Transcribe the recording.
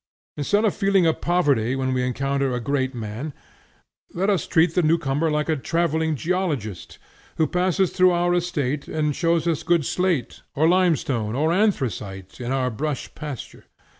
Instead of feeling a poverty when we encounter a great man, let us treat the new comer like a travelling geologist who passes through our estate and shows us good slate, or limestone, or anthracite, in our brush pasture.